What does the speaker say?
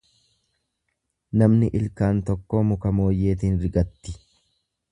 Namni ilkaan tokkoo muka mooyyeetiin rigatti.